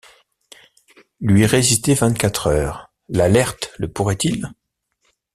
Lui résister vingt-quatre heures, l’Alert le pourrait-il?...